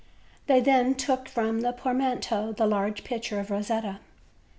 They then took from tlu t portmanteau the large picture of Eosetta.